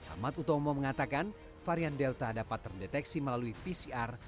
ahmad utomo mengatakan varian delta dapat terdeteksi melalui pcr